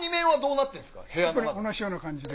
やっぱり同じような感じで。